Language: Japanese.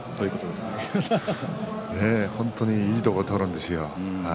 本当にいいところを取るんですよ